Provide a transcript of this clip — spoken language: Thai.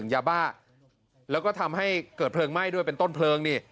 ยาบ้าแล้วก็ทำให้เกิดเพลิงไหม้ด้วยเป็นต้นเพลิงนี่